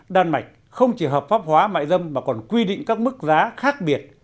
đan mạch không chỉ hợp pháp hóa mại dâm mà còn quy định các mức giá khác biệt